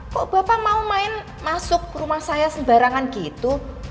kok bapak mau main masuk ke rumah saya sembarangan gitu